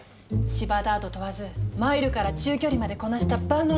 芝ダート問わずマイルから中距離までこなした万能Ｇ１馬。